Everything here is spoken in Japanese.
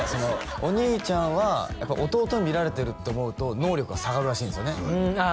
お兄ちゃんは弟に見られてるって思うと能力が下がるらしいんですよねああ